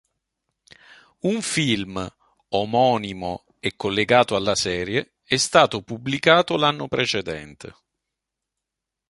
Un film, omonimo e collegato alla serie, è stato pubblicato l'anno precedente.